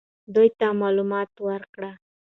دوی ته معلومات ورکړه.